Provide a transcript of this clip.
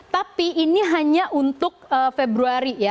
tapi ini hanya untuk februari ya